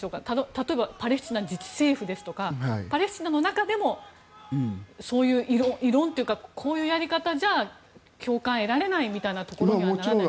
例えばパレスチナ自治政府ですとかパレスチナの中でもそういう異論というかこういうやり方じゃあ共感を得られないみたいなことにはならないんでしょうか。